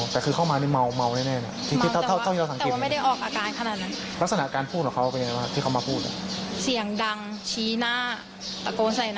เสียงดังชี้หน้าตะโกนใส่หน้า